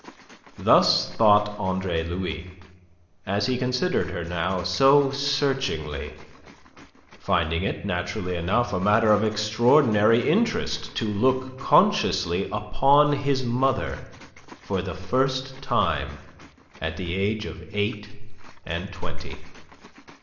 Thus thought Andre Louis as he considered her now so searchingly, finding it, naturally enough, a matter of extraordinary interest to look consciously upon his mother for the first time at the age of eight and twenty.